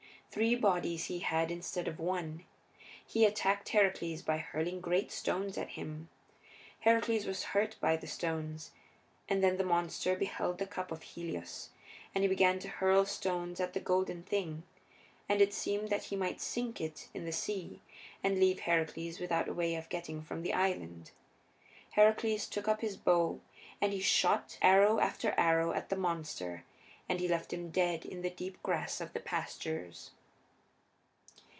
Three bodies he had instead of one; he attacked Heracles by hurling great stones at him. Heracles was hurt by the stones. And then the monster beheld the cup of Helios, and he began to hurl stones at the golden thing, and it seemed that he might sink it in the sea, and leave Heracles without a way of getting from the island. Heracles took up his bow and he shot arrow after arrow at the monster, and he left him dead in the deep grass of the pastures.